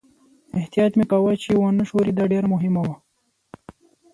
احتیاط مې کاوه چې و نه ښوري، دا ډېره مهمه وه.